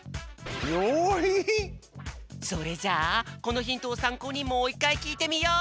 それじゃあこのヒントをさんこうにもういっかいきいてみよう！